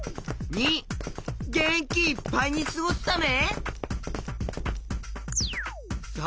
②のげんきいっぱいにすごすため！